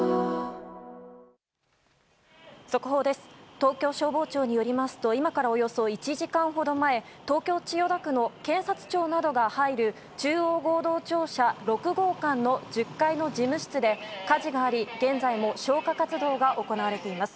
東京消防庁によりますと今からおよそ１時間ほど前東京・千代田区の検察庁などが入る中央合同庁舎６号館の１０階の事務室で火事があり、現在も消火活動が行われています。